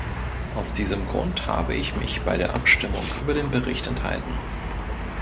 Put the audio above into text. Aus diesem Grund habe ich mich bei der Abstimmung über den Bericht enthalten.